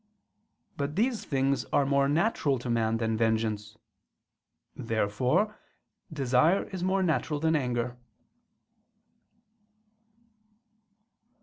But these things are more natural to man than vengeance. Therefore desire is more natural than anger.